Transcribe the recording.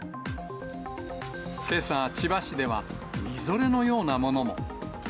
けさ、千葉市ではみぞれのようなものも。